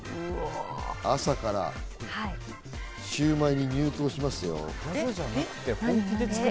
朝からシウマイに入刀しますよ。